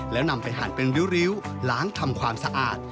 แล้วนำไปหั่นเป็นริ้วล้างทำความสะอาด